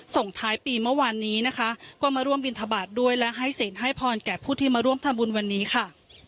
ส่งท้ายปีเมื่อวานนี้นะคะก็มาร่วมบินทบาทด้วยและให้ศีลให้พรแก่ผู้ที่มาร่วมทำบุญวันนี้ค่ะ